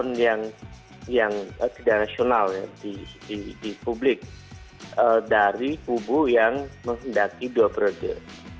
ada respon yang tidak rasional di publik dari kubu yang menghendaki doa peradil